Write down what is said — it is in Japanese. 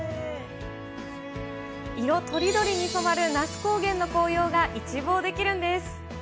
色とりどりに染まる那須高原の紅葉が一望できるんです。